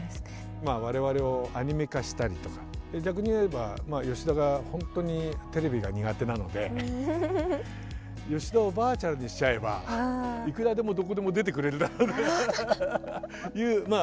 我々をアニメ化したりとか逆に言えば吉田がほんとにテレビが苦手なので吉田をヴァーチャルにしちゃえばいくらでもどこでも出てくれるだろうという僕の悪だくみもあり。